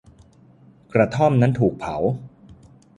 กระท่อมนั้นถูกเผา